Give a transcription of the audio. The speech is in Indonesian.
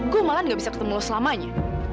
gua malah gak bisa ketemu lu selamanya